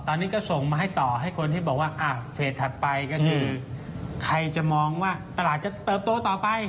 ตอนนี้ก็ส่งมาให้ต่อให้คนที่บอกว่าเฟสถัดไปก็คือใครจะมองว่าตลาดจะเติบโตต่อไป